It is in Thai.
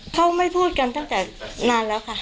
เขาไม่พูดกันตั้งแต่นานแล้วค่ะ